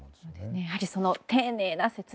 やはり丁寧な説明